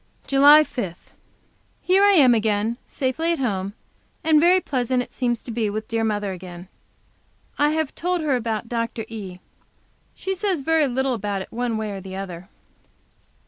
JULY 5. Here I am again, safely at home, and very pleasant it seems to be with dear mother again. I have told her about Dr. E. She says very little about it one way or the other.